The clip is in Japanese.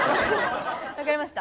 分かりました。